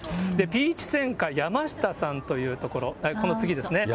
ピーチ専科ヤマシタさんというところ、この次ですね。